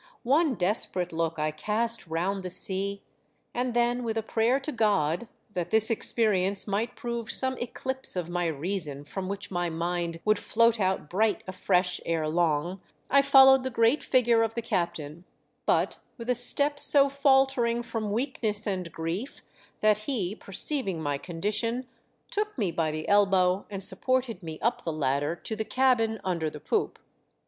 One des perate look I cast round the sea, and then with a prayer to God that this experience might prove some eclipse of my reason from which my mind would float out bright afresh ere long, I followed the great figure of the captain, but with a step so faltering from weakness and grief, that he, perceiving my condition, took me by the elbow and sup ported me up the ladder to the cabin under the poop.